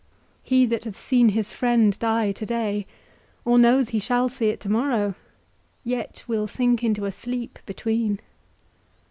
He that hath seen his friend die to day, or knows he shall see it to morrow, yet will sink into a sleep between.